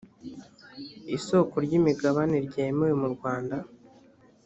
isoko ry’ imigabane ryemewe mu rwanda